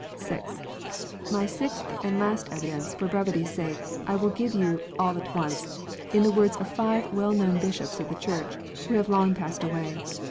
(6) My sixth and last evidence, for "brevity s sake, I will give you all at once, in the words of five well known Bishops of the Church, who have long passed away.